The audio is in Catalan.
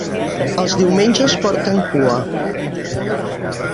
Els diumenges porten cua.